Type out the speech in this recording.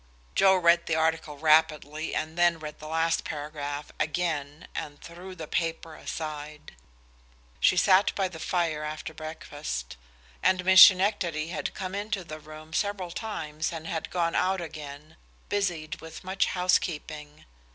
Joe read the article rapidly, and then read the last paragraph again and threw the paper aside. She sat by the fire after breakfast, and Miss Schenectady had come into the room several times and had gone out again, busied with much housekeeping.